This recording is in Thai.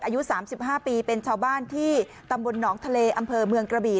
อายุ๓๕ปีเป็นชาวบ้านที่ตำบลหนองทะเลอำเภอเมืองกระบี่